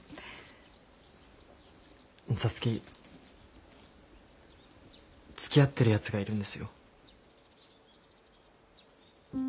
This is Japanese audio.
皐月つきあってるやつがいるんですよ。